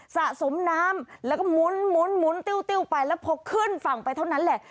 สะสมน้ำแล้วก็หมุนติ้วไปแล้วพอขึ้นฝั่งไปเท่านั้นแหละ